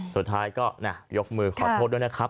สุดท้ายก็ยกมือขอโทษด้วยนะครับ